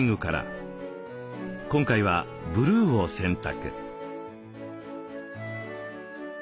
今回はブルーを選択。